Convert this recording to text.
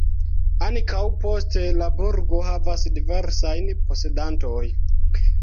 Ankaŭ poste la burgo havas diversajn posedantoj.